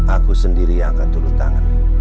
aku sendiri yang akan turun tangan